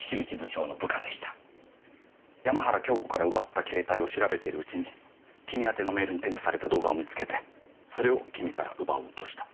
山原京子から奪った携帯を調べてるうちに君宛てのメールに添付された動画を見つけてそれを君から奪おうとした。